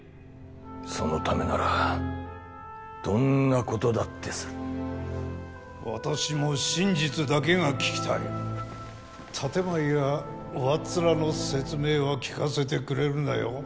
そのためならどんなことだってする私も真実だけが聞きたい建前や上っ面の説明は聞かせてくれるなよ